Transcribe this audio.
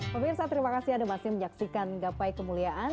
pak mirza terima kasih ada masih menyaksikan gapai kemuliaan